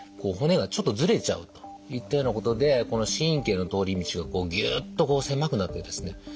骨がちょっとずれちゃうといったようなことでこの神経の通り道がこうぎゅっと狭くなってですね